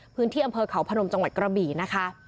พื้นที่อำเภอเขาพนมจังหวัดกระบี่นะคะ